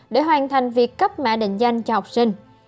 để hoàn thành việc cấp mã định danh cho học sinh